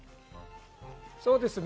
そうですね。